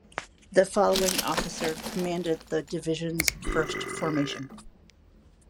The following officer commanded the division's first formation.